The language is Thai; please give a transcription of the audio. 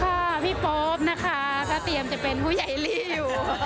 ค่ะพี่ป๊อปนะคะถ้าเตรียมจะเป็นผู้ใหญ่ลี่อยู่